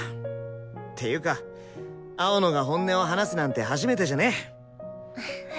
っていうか青野が本音を話すなんて初めてじゃね？